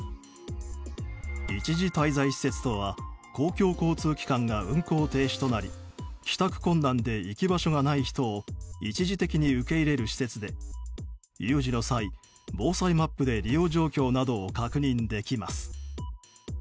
一時滞在施設とは公共交通機関が運行停止となり帰宅困難で行き場所がない人を一時的に受け入れる施設で有事の際、防災マップで利用状況などを確認できます。